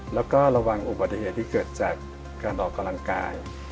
แล้วก็ระวังอุบัติเหตุที่เกิดจากการออกกำลังกาย